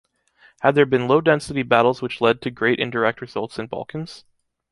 Had there been low-density battles which lead to great indirect results in Balkans?